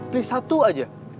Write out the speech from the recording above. pilih satu aja